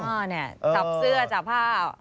จับเสื้อจับผ้า